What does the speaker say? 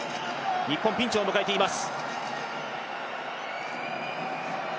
日本、ピンチを迎えています。